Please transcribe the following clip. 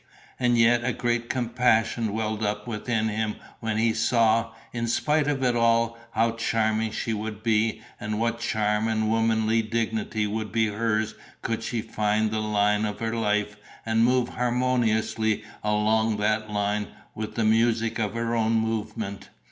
And yet a great compassion welled up within him when he saw, in spite of it all, how charming she would be and what charm and womanly dignity would be hers could she find the line of her life and moved harmoniously along that line with the music of her own movement.